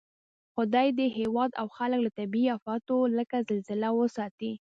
خدای دې هېواد او خلک له طبعي آفتو لکه زلزله وساتئ